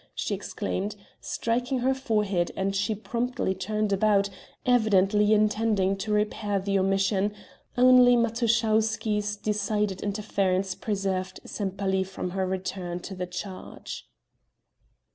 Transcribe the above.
she exclaimed, striking her forehead, and she promptly turned about, evidently intending to repair the omission; only Matuschowsky's decided interference preserved Sempaly from her return to the charge.